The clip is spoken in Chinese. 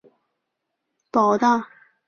保大元年撰文。